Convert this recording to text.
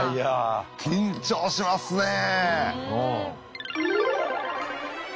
緊張しますねえ。